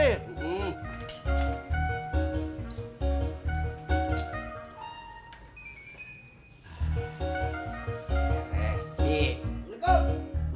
ya ampun indri